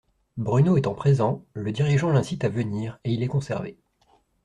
Bruno étant présent, le dirigeant l'incite à venir et il est conservé.